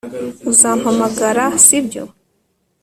Uzampamagara sibyo